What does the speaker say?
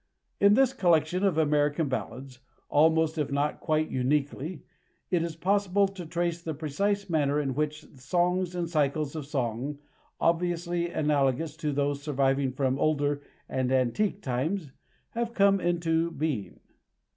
In this collection of American ballads, almost if not quite uniquely, it is possible to trace the precise manner in which songs and cycles of song obviously analogous to those surviving from older and antique times have come into being.